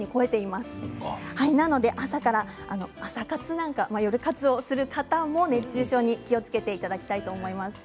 ですので朝活なんかをする方も熱中症に気をつけていただきたいと思います。